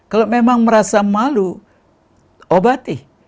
kalau memang merasa malu obati